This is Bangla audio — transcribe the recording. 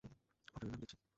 ভয় পাবেন না, আমি দেখছি।